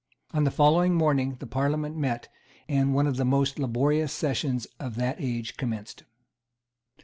On the following morning the Parliament met; and one of the most laborious sessions of that age commenced.